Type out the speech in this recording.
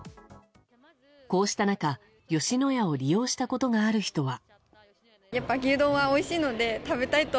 こうした中、吉野家を利用したことがある人は。